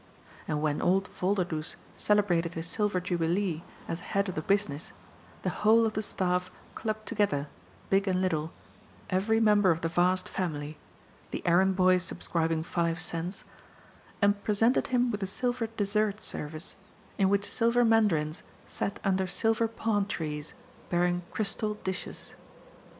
And when old Volderdoes celebrated his silver jubilee as head of the business, the whole of the staff clubbed together, big and little, every member of the vast family, the errand boys sub scribing five cents, and presented him with a silver dessert service, in which silver mandarins sat under silver palm trees, bearing crystal dishes.